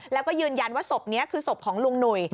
แล้วก็ยืนยันว่าศพนี้คือศพของลุงหนุ่ย